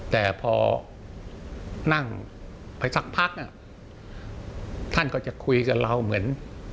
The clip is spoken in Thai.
แต่พอนั่งไปสักพักท่านก็จะคุยกับเราเหมือน